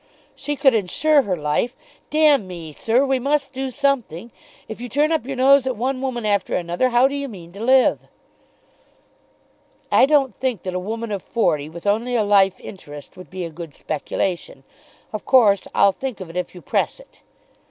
"She could insure her life. D me, sir, we must do something. If you turn up your nose at one woman after another how do you mean to live?" "I don't think that a woman of forty with only a life interest would be a good speculation. Of course I'll think of it if you press it."